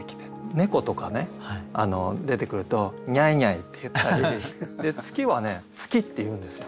猫とかね出てくると「にゃいにゃい」って言ったり月はね「つき」って言うんですよ。